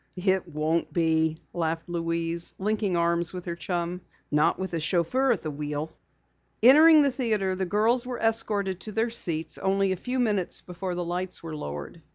"It won't be," laughed Louise, linking arms with her chum. "Not with a chauffeur at the wheel." Entering the theatre, the girls were escorted to their seats only a few minutes before the lights were lowered.